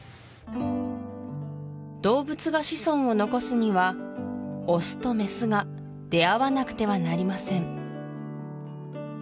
動物が子孫を残すにはオスとメスが出会わなくてはなりません